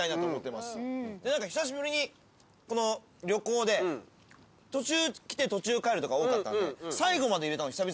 で久しぶりにこの旅行で途中来て途中帰るとか多かったんで。